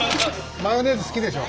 マヨネーズ好きでしょ？